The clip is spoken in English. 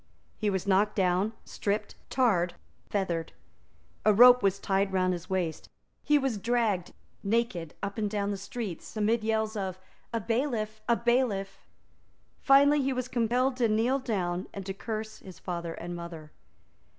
He was knocked down, stripped, tarred, feathered. A rope was tied round his waist. He was dragged naked up and down the streets amidst yells of "A bailiff! A bailiff!" Finally he was compelled to kneel down and to curse his father and mother.